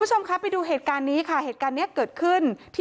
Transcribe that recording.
ก็สนุกเขาไปดูเหตุการณ์นี้ค่ะเหตุการณ์เนี่ยเกิดขึ้นที่